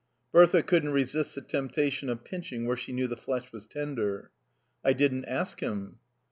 Bertha couldn't resist the temptation of pinching where she knew the flesh was tender. "I didn't ask him."